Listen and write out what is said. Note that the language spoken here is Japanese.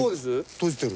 閉じてる。